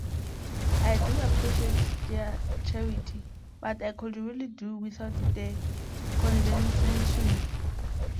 I do appreciate their charity, but I could really do without the condescension.